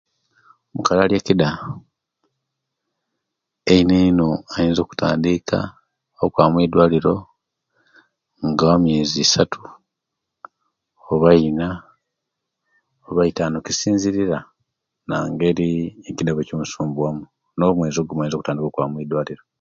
Omukali alikida eineino ayinza okutandika okwaba mwidwaliro nga emyezi isatu oba ina oba itanu kisinzira nangeri ekida owekimusumbuwa mu nomwezi ogumweza okwaba mudwaliro